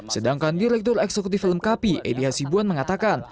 sedangkan direktur eksekutif film kapi edy hasibuan mengatakan